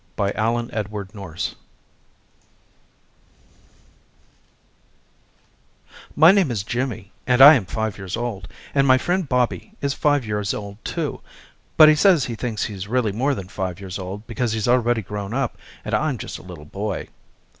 My Friend Bobby My name is Jimmy and I am five years old, and my friend Bobby is five years old too but he says he thinks he's really more than five years old because he's already grown up and I'm just a little boy.